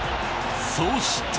そして。